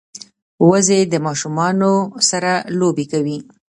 وزې د ماشومانو سره لوبې کوي